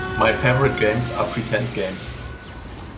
My favorite games are pretend games.